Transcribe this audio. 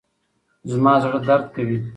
زما زړه درد کوي.